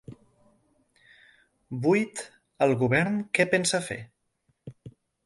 Vuit-El govern, què pensa fer?